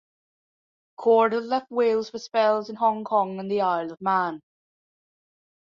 Cordell left Wales for spells in Hong Kong and the Isle of Man.